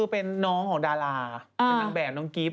เป็นน้องของดาราเป็นนางแบบน้องกิฟต